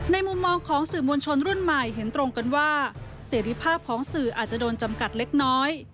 มุมมองของสื่อมวลชนรุ่นใหม่เห็นตรงกันว่าเสรีภาพของสื่ออาจจะโดนจำกัดเล็กน้อย